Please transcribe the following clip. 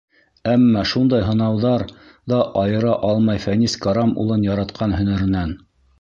Әммә шундай һынауҙар ҙа айыра алмай Фәнис Карам улын яратҡан һөнәренән.